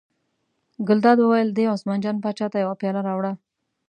ګلداد وویل: دې عثمان جان پاچا ته یوه پیاله راوړه.